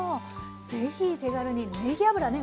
是非手軽にねぎ油ね